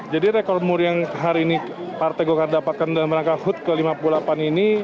jadi rekor muri yang hari ini partai golkar dapatkan dalam rangka hut ke lima puluh delapan ini